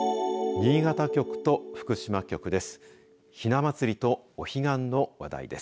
新潟局と福島局です。